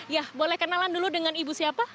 ya boleh kenalan dulu dengan ibu siapa